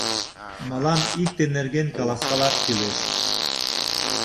— Мылам икте нерген каласкалаш кӱлеш.